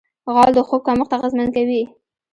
غول د خوب کمښت اغېزمن کوي.